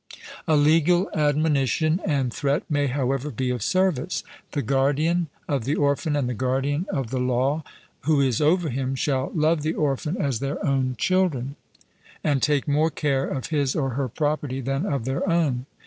A legal admonition and threat may, however, be of service: the guardian of the orphan and the guardian of the law who is over him, shall love the orphan as their own children, and take more care of his or her property than of their own.